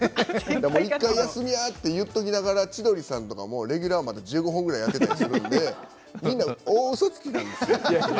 １回休みや、と言っておきながら千鳥さんとかもレギュラーまだ１５本ぐらいやっていたりするのでみんな大うそつきなんです。